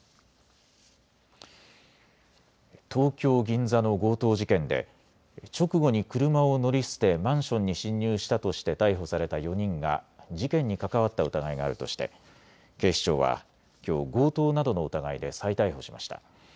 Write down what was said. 東京銀座の強盗事件で直後に車を乗り捨てマンションに侵入したとして逮捕された４人が事件に関わった疑いがあるとして警視庁はきょう強盗などの疑いで再逮捕しました。